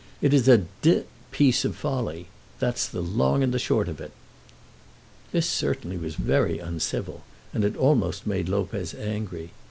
It is a d piece of folly; that's the long and the short of it." This certainly was very uncivil, and it almost made Lopez angry.